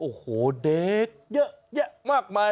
โอ้โหเด็กเยอะแยะมากมาย